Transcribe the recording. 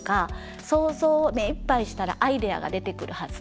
想像を目いっぱいしたらアイデアが出てくるはず。